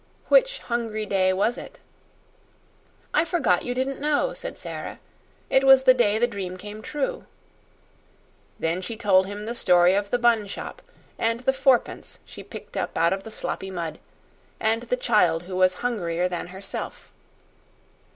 "Which hungry day was it?" "I forgot you didn't know," said Sara. "It was the day the dream came true." Then she told him the story of the bun shop, and the fourpence she picked up out of the sloppy mud, and the child who was hungrier than herself.